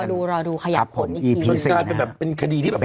เราเราดูเราดูขยับผมอีกทีนิดนึงจะได้เป็นแบบเป็นคดีที่